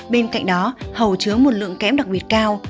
bên cạnh đó hầu chứa một lượng kẽm đặc biệt cao